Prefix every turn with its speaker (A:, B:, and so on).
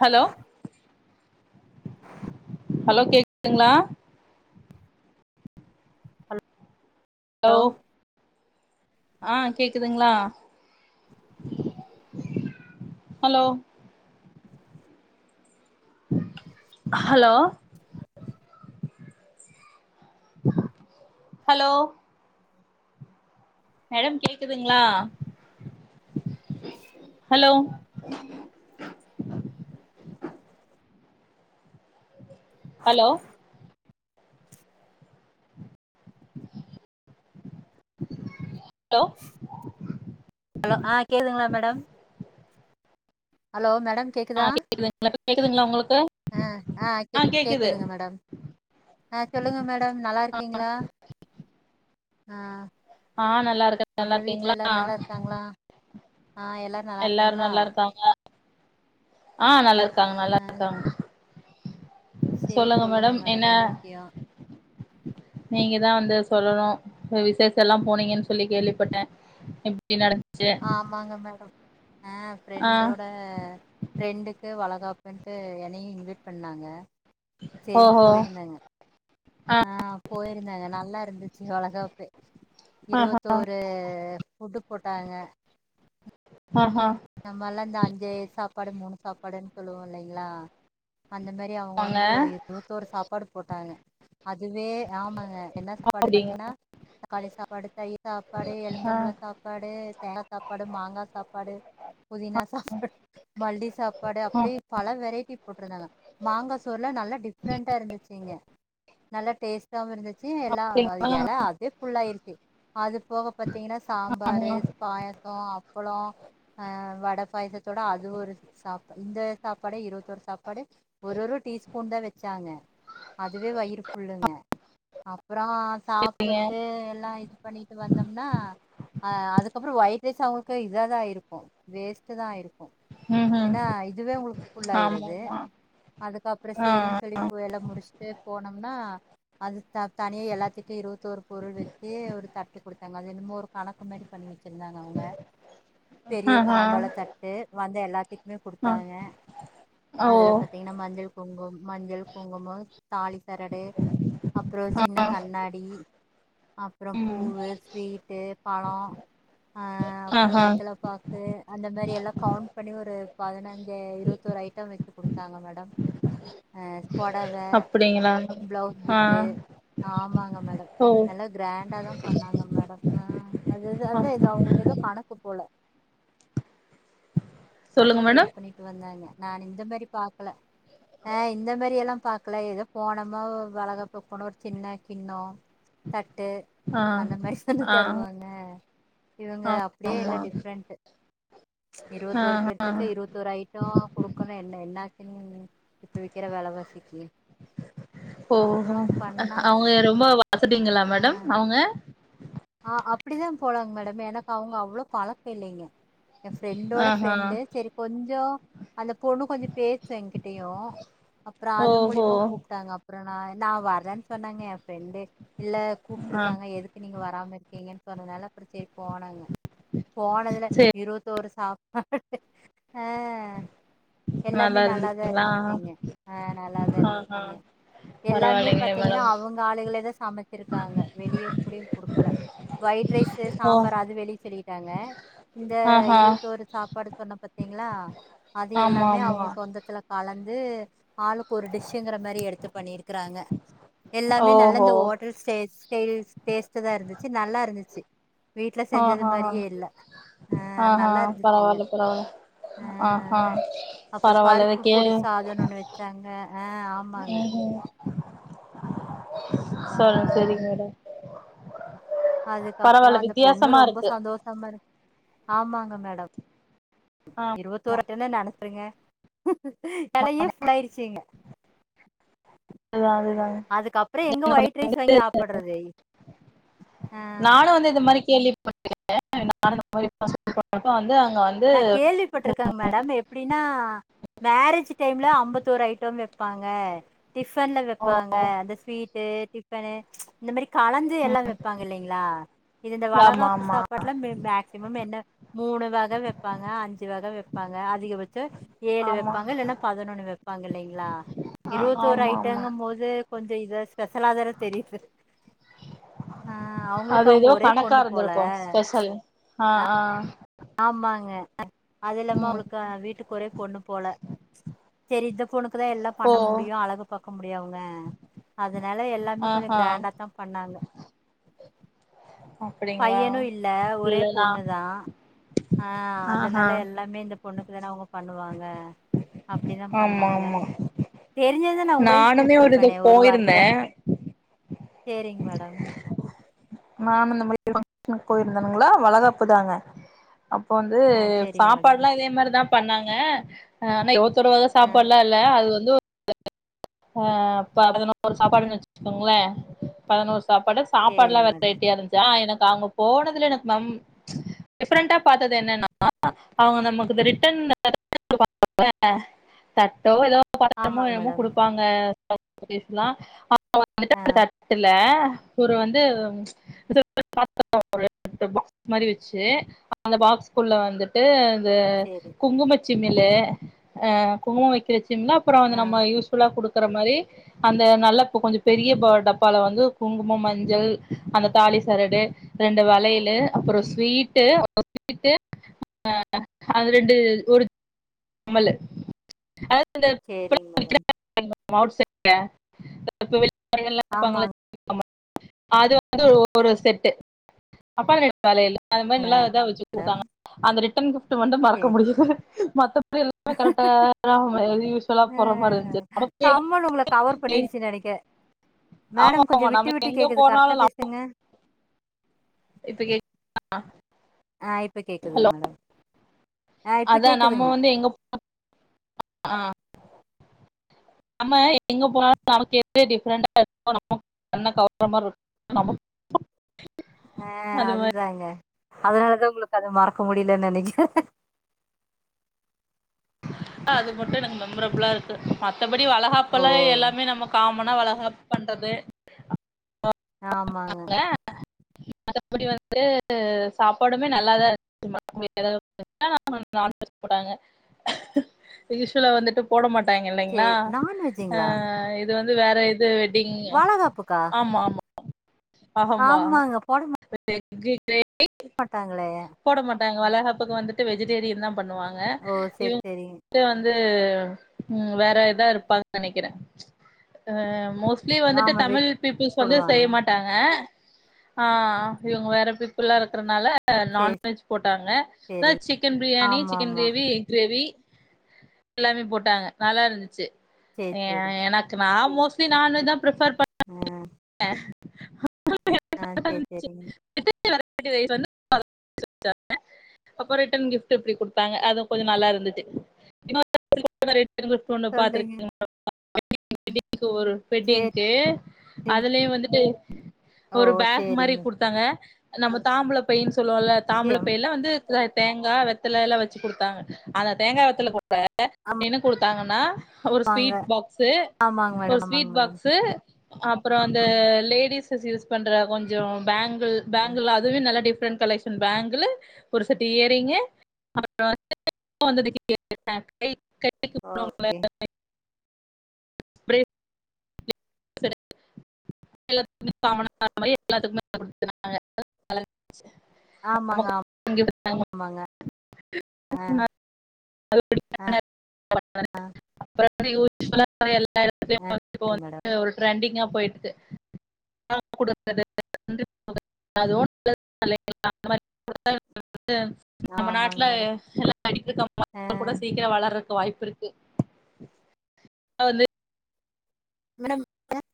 A: hello hello கேக்குதுங்களா ஹோ
B: hello
A: ஆஹ் கேக்குதுங்களா ஹலோ ஹலோ ஹலோ மேடம் கேக்குதுங்களா ஹலோ ஹலோ ஹலோ
B: ஹலோ ஆஹ் கேதுங்களா மேடம் ஹலோ மேட் ஹலோ மேடம்
A: ஆ
B: கேக்குதா
A: கேக்குதுங்களா கேக்குதுங்களா உங்களுக்கு
B: ஹ ஹ கேக்குது மேடம் சொல்லுங்க மேடம் நல்லா இருக்கீங்களா ஆஹ்
A: ஆஹ் நல்லா இருக்க நல்லா இருக்கீங்களா
B: நல்லா இருக்காங்களா ஆ எல்லாரு நல்லா
A: எல்லாரும்
B: இருக்காங்களா
A: நல்லா இருக்காங்க ஆஹ் நல்லது காங்க நல்லாக்காங்க
B: சரி சொல்லுங்க மேடம் என்ன விக்யம்
A: நீங்கதான் வந்து சொல்லனும் விசேஷம் எல்லாம் போனீங்கன்னு சொல்லி கேள்விப்பட்டேன்
B: ஆமாங்க மேடம் ஆஹ
A: ஆ
B: ப்ரெண்டோட ப்ரெண்டுக்கு வழக்க அப்பின்ட்டு என்னையும் இன்வைட் பண்ணாங்க சேரின்
A: ஓஹோ
B: போயிருந்தேங்க
A: ஆ
B: ஆஹ் போயிருந்தாங்க நல்லா இருந்துச்சு வளகாப்பு
A: ஆஹா
B: இருவத்தோரு புடுப் போட்டாங்க
A: ஆ ஹா
B: நம்மல்லாம் இந்த அஞ்சு சாப்பாடு மூணு சாப்பாடுன்னு சொல்லுவோம் இல்லைங்ளா அந்த மாதிரி அவங்க
A: வாங்க
B: வந்து ஒரு இருநூத்தோரு சாப்பாடு போட்டாங்க அதுவே ஆமாங்க என்ன சாப்பாடு
A: அப்டிங்க
B: பார்த்தீங்கன்னா தக்காளி சாப்பாடு தையி சாப்பாடு
A: ஆ
B: எலுபச்சம்பள சாப்பாடு தேங்கா சாப்பாடு மாங்கா சாப்பாடு புதினா சாப்பாடு மல்லி சாப்பாடு
A: ஆ
B: அப்படி பல வெரைட்டி கிப் போட்டுருந்தாங்க மாங்காசோர்லாம் நல்லா டிஃப்ரெண்டா இருந்துச்சிங்க நல்லா டேஸ்ட் [unintelligible] இருந்துச்சு எல்லாம் அது
A: அப்டிங்களா
B: எல அதே புல் ஆயிருச்சு அது போக பார்த்தீங்கன்னா சாம்பார் பாயசம் பலம் ஹா வட பாயசத்தோட அது ஒரு சாப்ப இந்த சாப்படே இருபத்தோரு சாப்பா படு ஒரு-ஒரு டீஸ் பூண்டா வச்சாங்க அதுவே வயிறு ஃபுல்லுங்க அப் அப்புறம்
A: சரிங்க
B: சாபுட்டு எல்லாம் இது பண்ணிட்டு வந்தோம்னா ஹா அதுக்கப்புறம் ஒயிட் ரைஸ் அவுங் க்க இதாதாய்ருக்கும் கு வேஸ்ட்டு தா ஆயிருக்கும்
A: ம் ம்
B: ஏன்னா இதுவே உங்களுக்கு ஃபுல்லாயிரு
A: ஆமா
B: அது
A: ஆமா
B: அதுக்கப்றோ
A: ஆ
B: சேரின்னு சொல்லி இப்ப எல்லா முடிச்சுட்டு போனோம்னா அது நா தனியே எல்லாத்துக்கும் இருவத்ததோரு பொருள் வச்சு ஒரு தட்டி கொடுத்து தாங்க அது என்னமோ ஒரு கணக்கு மாரி பண்ணி வச்சிருந்தாங்க அவுங்க பெரிய
A: ஆ ஆ
B: தாம்பால தட்டு வந்து எல்லாத்தையு [unintelligible]
A: ஆ
B: கொடுத்தாங்க
A: ஓ
B: அதுல பாத்தீங்கன்னா மஞ்சள் குங்கும் மஞ்சள் குங்கும தாலி சரடு அப்றோ
A: ஆ
B: சின்ன கண்ணாடி அப்றோ
A: ம்
B: பூவு ஸ்வீட்டு பழோ ஆ அப்றோ
A: ஆஹா
B: வெத்தல அது அந்த மாரி எல்லாம் கவுண்ட் பண்ணி ஒரு ஹூ பதினைஞ் [unintelligible] இருபத்தொரு ஐட்டம் வச்சு குடுத்தாங்க மேடம் ஹா பொடவை
A: அப்டிங்களா
B: பிளவுஸ்
A: ஆ
B: பிட்டு ஆமாங்க மேடம்
A: ஓ
B: நல்ல கிராண்டா தான் பண்ணாங்க மேடம் அ அதுது
A: ஆ
B: அதான் இது அவுங்களுக்கு ஏதோ கணக்கு போல அத
A: சொல்லுங்க
B: இது
A: மேடம்
B: பண்ணிட்டு வந்தாங்க நான் இந்த மேரி பாக்கல நா இந்த மாரி எல்லாம் பாக்கல ஏதோ போனோமா வளகாப்புக்கு போனா ஒரு சின்ன கிண்ணோ தட் ட்டு
A: ஆ
B: அந்த மாரி சொல்லித்
A: ஆ
B: தருவாங்க இவுங்க
A: ஆமா
B: அப்டியே இல்ல
A: ஆமா
B: டிஃப்ரெண்ட்டு இருபத்
A: ஆ
B: த்தொரு
A: ஆ
B: பேருத்துக்கு இருபத்தொரு ஐட்டோ குடுக்கணு என்ன-என்ன உம் [unintelligible]
A: ஓ-ஓ
B: அப்றோ பண்ணாங்க
A: அவுங்க ரொம்ப வாசதிங்கலகளா மேடம் அவுங்க
B: ஹா அப்டிதான் போலாங்க மேடம் எனக்கு அவுங்க அவ்ளோ பலக்கம் இல்லைங்க ஏன் ஃப்ரெண்டோட
A: ஆஹா
B: ஃப்ரெண்டு செரி கொஞ்சோ அந்த பொண்ணு கொஞ்ச பேசு என்கிட்டயும் அப்புறம் அது
A: ஓஹோ
B: மூலிமா கூப்ட்டாங்க ப்ற நா நா வரறேன்னு சொன்னாங்க என் ஃப்ரெண்டு இல்ல
A: ஆ
B: கூப்ட்ருக்காங்க எதுக்கு நீங்க வர் இருக்கீங்கன்னு சொன்னனால அது சரி போனாங்க போனதுல
A: சரி
B: இருவத்தொரு சாப்பாடு ஹா எல்லாமே
A: நல்லா
B: நல்லாதான்
A: இருந்துச்சுங்களா
B: இருந்துச்சுங்க ஹா நல்லாதான்
A: ஆஹா
B: இருந்துச்சுங்க எல்லாமே
A: பரவாயில்லைங்களே
B: பாத்தீங்கன்னா
A: மேடம்
B: அவுங்க ஆளுகளே தான் சமைச்சிருக்காங்க வெளியே கூடிய குடுக்க கல ஒயிட் ரைஸ்
A: ஓ
B: சாம்பார் அது வெளிய சொல்லிக் [unintelligible] இந்த
A: ஆஹா
B: இருவத்தோரு சாப்பாடு சொன்ன பாத்தீங்ளா அது
A: ஆமா
B: எல்லாமே
A: ஆமா
B: அவுங்க சொந்தத்துல கலந்து ஆளுக்கு ஒரு டிஷ்சுங்கிற மாரி எடுத்து பண்ணிருக்றாங்க எல்லாமே நல்ல
A: ஓஹோ
B: இந்த ஹோட்டல் ஸ்டை ஸ்டைல் ஸ் டேஸ்ட் இதாருந்துச்சி நல்லா இருந்துச்சி வீட்ல செஞ்சது
A: ஆஹா
B: மாரியே இல்ல ஹா
A: ஆஹா
B: நல்லா இருந்துச்சுங்க
A: பரவால்ல பரவால்ல
B: ஹா
A: ஆஹா
B: அப்புறம்
A: பரவால்ல இத
B: பருப்பு
A: கே
B: பொடி சாதம் ஒன்னு வச்சாங்க ஹா ஆமாங்க
A: ம்
B: ஆ
A: [unintelligible] மேடம்
B: அதுக்கப்பறம்
A: பரவால்ல
B: அந்த பொண்ணு
A: வித்தியாசமா
B: ரொம்ப
A: இருக்கு
B: சந்தோஷமா இருக்கு ஆமாங்க மேடம் [unintelligible]
A: ஆ
B: [unintelligible] எலையே புஃல்லாயிருச்சிங்க
A: அதுதா அதுதாங்க
B: அதுக்கப்பறம் எங்க ஒயிட் ரைஸ் வாங்கி சாப்றது ஆஹா
A: [unintelligible] வந்து
B: நான் கேள்விப்பட்டிருக்கேங் மேடம் எப்டின்னா மேரேஜ் டைம்ல அபண்ணி ம்பத்தொரு ஐட்டம் வெப் ப்பாங்க டிஃபன்ல வைப்பாங்க அந்த ஸ்வீட்டு டிஃபனு இந்த மாரி கலந்து எல்லாம் வைப்பாங்க இல்லைங்களா இது இந்த
A: ஆமா
B: வளகாப்பு
A: ஆமா
B: சாப்பாட்டுல மேக்சிமம் என்ன மூணு வக வெப் அஞ்சு வக வைப்பாங்க அ அதிகபட்சம் ஏழு
A: ஆமா
B: வைப்பாங்க இல்லன்னா பதினொன்னு வைப்பாங்க இல்லைங்களா
A: ஆ
B: இருபத்தொரு
A: ஆமா ஆமா
B: ஐட்டங்கும் போது கொஞ்சம் டெய்வஸ் ஸ்பெஷலாதான தெரியுது ஹா அவங்களுக்கு
A: அது
B: அவங்க
A: ஏதோ
B: ஒரே
A: கணக்கா
B: பொண்ணு போல
A: இருந்திருக்கு ஸ்பெஷல் ஆ
B: ஹா
A: ஆ
B: ஆமாங்க அது இல்லாம
A: ம்
B: அவளுக்க வீட்டுக்கு ஒரே பொண்ணு போல தெரிந்த அப்பதான் எல்லாம் பண்ண
A: ஓ
B: முடியும் அழகு பாக்க முடியும் அவங்க அதனால எல்லாமே கொஞ்சம்
A: ஆஹா
B: கிராண்டாதா பண்ணாங்க
A: அப்டிங்களா
B: பையனு இல்ல ஒரே
A: இல்லனா
B: பொண்ணுதா ஆஹ்
A: ஆஹா
B: அதனால எல்லாமே இந்த பொண்ணுக்குதான அவங்க பண்ணுவாங்க அப்டிதா
A: ஆமா
B: பண்ணாங்க
A: ஆமா
B: தே
A: நானுமே ஒரு இதுக்கு போயிருந்தே
B: சேரிங் மேடம்
A: நானும் [unintelligible] போயிருந்தேனுங்களா வளகாப்புதாங்க அப்போ வந்து
B: ஆஹ் சரிங்க மேடம்
A: சாப்பாடல்லா அதே மாரிதா பண்ணாங்க ஆ [unintelligible]
B: ஆஹ்
A: சாப்பாடுலாம் இல்ல அது வந்து ஆஹ் பதனோரு சாப்பாடுன்னு வச்சுக்கோங்களே பதனோரு சாப்பாடு சாப்பாடுலாம்
B: சரிங்க மேடம்
A: வெரைட்டியா இருந்ச்சா எனக்கு அவங்க போனதுல எனக்கு நம் டிஃபரண்ட்டா பாத்தது என்னன்னா அவங்க நமக்கு இது ரிட்டர்ன் [unintelligible] தட்டோ ஏதோ
B: ஆமாங் மேடம்
A: அவுங்க [unintelligible] பேசலா [unintelligible] [unintelligible]
B: ஆஹ்
A: த்துல ஒரு வந்து [unintelligible] பாக்ஸ் மாரி வச்சு அந்த பாக்ஸ்குள்ள வந்துட்டு து
B: சரி
A: குங்குமச் சிமிலு ஆ குங்கமம வைக்கிற ச் ன்னா அப்புற வந்து நம்ம
B: ஆஹ்
A: யூஸ் அ குடுக்கற மாரி அந்த நல்ல கொஞ்சம் பெரிய ப டப்பால வந்து குங்குமம் மஞ்சள் அந்த தாலி சரடு ரெண்டு வளையளு அப்புற ஸ்வீட்டு [unintelligible] அது ரெண்டு ஒரு அமலு
B: சேரிங் மேடம்
A: [unintelligible] [inaudible] இருப்பாங்கல்ல
B: ஆமாங்க
A: [inaudible] அது வந்து ஒரு செட்டு அப்பா [unintelligible] அந்த மாதிரி நல்லா இத வச்சு
B: மேடம்
A: குடுத்தாங்க அந்த ரிட் [unintelligible] த வந்து மறக்க
B: சரி
A: முடியல மத்தப் [unintelligible] கரெக்டா [unintelligible] மாரி இருந்துச்சு
B: கம்மன் உங்களை கவர் பண்ணிருச்சுன்னு நினைக்கிறேன்
A: [unintelligible] ஆமா
B: மேடம்
A: ஆமா
B: கொஞ்சம்
A: நம்ம
B: விட்டு விட்டு
A: எங்க
B: கேக்குது கரெக்டா
A: போனாலும் நம்ம
B: பேசுங்க
A: இப்ப [unintelligible]
B: ஆஹ் இப்ப கேக்குதுங்க
A: ஹலோ
B: மேடம் ஆ இப்ப
A: அதான் நம்ம
B: கேக்குதுங்க
A: வந்து எங்க ஹ நம்ம எங்க போனாலு நமக்கு எது டிஃப்ரெண்டா இருக்கோ நமக்கு [inaudible]
B: ஹ
A: அது மாதிரி
B: அதுதாங்க அதனாலதான் உங்களுக்கு அது மறக்க முடிலன்னு நெனைக்குறேன்
A: ஹ அது மட்டும் எனக்கு மெமரபிளா இருக்கு மத்தபடி
B: ஓ
A: வளகாப்பல எல்லாமே நம்ம காம் மன வளகாப்பு பண்றது
B: ஆமாங்க
A: அதபடி வந்து சாப்பாடுமே நல்லாதான் இருந்துச்சுநான்வெஜ் போட்டாங்க இசுல வந்துட்டு போட மாட் ங்க இல்லைங்களா
B: சரி நான்வெஜ்ஜுங்களா
A: அஹ இது வந்து வேற இது வெ அப்டிங்களா
B: வாழகாப்புக்கா
A: ஆமா - ஆமா [inaudible] ஆமா
B: ஆமாங்க போட
A: [unintelligible]
B: மாட்டாங்களே
A: நாங்க வளகாப்புக்கு வந்துட்டு வெஜிடேரியன் தான் பண்ணுவாங்க
B: ஓ சரி
A: இவங்க
B: சரிங்க
A: வந்து ந்து உ வேற இதா இருப்பாங்க நெனைக்கிறேன் உ மோஸ் லி வந்துட்டு
B: ஆமா வெஜ்
A: தமிழ் பீபிள்ஸ் வந்து செய்ய
B: போடுவாங்க
A: மாட்டாங்க ஹ இவங்க வேற பிப்புல்லா இருக்கறனால ல்ல
B: சரி
A: நான்வெஜ் போட்டாங்க அதான்
B: சரிங்க
A: சிக்கன் பிரியாணி
B: ஆமா
A: சிக்கன்
B: ஆமா
A: கிரேவி எக் கிரேவி எல்லாமே போட்டாங்க நல்லா இருந்துச்சு
B: சரி
A: ஏ
B: சரி
A: எனக்கு நா மோஸ்லி நான்வெஜ் தான் பிரிஃபர்
B: ஹ சரி
A: [unintelligible] ச்சு
B: சரிங்க
A: [inaudible] அப்ப ரிட்டன் கிஃப்ட் இப்டி குடுத்தாங்க அது கொஞ்ச நல்லா இருந்துச்சு [inaudible] [unintelligible]
B: சொல்லுங்க
A: பாத்திருக்கீங்ளா [unintelligible] க்கு ஒரு
B: சரிங்க
A: வெட்டிங்க்கு அதுலயே வந் இது
B: ஓ
A: ஒரு பேக் மாரி
B: சரிங்க
A: குடுத்தாங்க நம்ம தாம்பூல பையின் சொல்லுவோல்ல
B: சரி
A: தாம்பூல பையில வந்து ல்ல தேங்கா வெத்தல எல்லா வச்சு கொடுத்தாங்க அந்த தேங்கா வெத்தல போட் அப்ப என்ன குடுத்தாங்கன் நா ஒரு
B: ஆமாங்க
A: ஸ்வீட் பாக்ஸு
B: ஆமாங்க
A: ஒரு
B: மேடம் ஆமாங்க
A: ஸ்வீட்
B: மேடம்
A: பாக்ஸு அப் அப்றோ அந்த லேடிஸஸ் யூஸ் பண்ற கொஞ்சோ பேங்க் து பேங்கிள் அதுவே நல்லா டிஃப் [unintelligible] கலெக்ஷன் பேங்குல ஒரு செட்டு இயர் ரிங்கு அப்றோ [inaudible] [inaudible]
B: ஓகே
A: ஸ்பிரே [inaudible] எல்லாத்துக்குமே
B: ஆமாங்க
A: [inaudible]
B: ஆமாங்க
A: [inaudible] [inaudible]
B: ஆ
A: [inaudible] ஆ
B: மேடம்
A: ஒரு ட்ரெண்டிங்கா போயிட்ருக்கு [inaudible] [unintelligible] நம்ம
B: ஆமாங்க
A: நாட்ல
B: மேடம்
A: எல்லா
B: ஆ
A: [inaudible] சீக்கிர வளர க்க வாய்ப்பு இருக்கு வந்து
B: மேம் [inaudible]